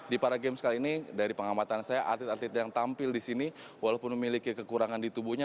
di para games kali ini dari pengamatan saya atlet atlet yang tampil di sini walaupun memiliki kekurangan di tubuhnya